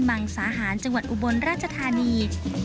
มังสาหารจังหวัดอุบลราชธานี